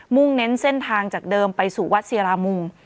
่งเน้นเส้นทางจากเดิมไปสู่วัดศิรามุง